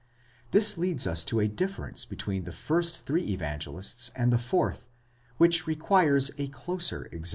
This leads us to a difference between the first three Evangelists and the fourth which requires a closer examination.